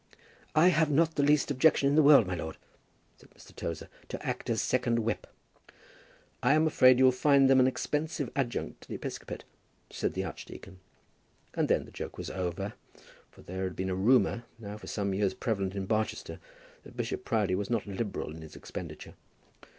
"I have not the least objection in the world, my lord," said Mr. Tozer, "to act as second whip." "I'm afraid you'll find them an expensive adjunct to the episcopate," said the archdeacon. And then the joke was over; for there had been a rumour, now for some years prevalent in Barchester, that Bishop Proudie was not liberal in his expenditure.